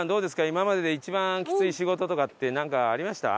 今までで一番きつい仕事とかってなんかありました？